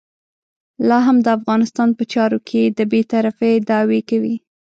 لا هم د افغانستان په چارو کې د بې طرفۍ دعوې کوي.